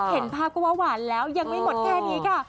เห็นภาพก็ว่าหวานแล้วยังไม่หมดแค่นี้ค่ะ